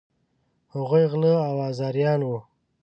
هغوی غله او آزاریان وه.